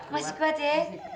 masih kuat ya